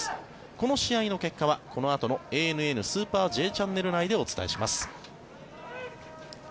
この試合の結果はこのあとの「ＡＮＮスーパーＪチャンネル」内でお伝えします。